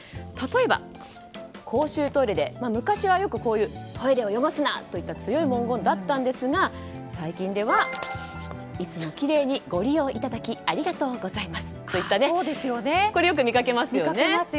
例えば公衆トイレで、昔はよくトイレを汚すな！といった強い文言でしたが最近ではいつもきれいにご利用いただきありがとうございますといったこれ、よく見かけますよね。